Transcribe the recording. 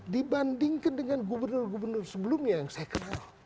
dibandingkan dengan gubernur gubernur sebelumnya yang saya kenal